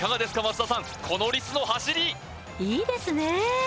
増田さんこのリスの走りいいですね